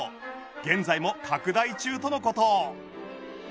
現在も拡大中との事。